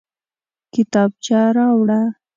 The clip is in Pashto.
کتابچه راوړه